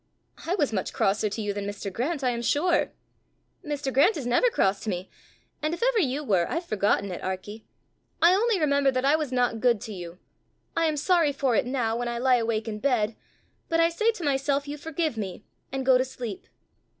"I was much crosser to you than Mr. Grant, I am sure!" "Mr. Grant is never cross to me; and if ever you were, I've forgotten it, Arkie. I only remember that I was not good to you. I am sorry for it now when I lie awake in bed; but I say to myself you forgive me, and go to sleep."